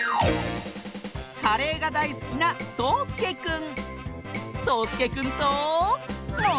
カレーがだいすきなそうすけくんとものしりとり！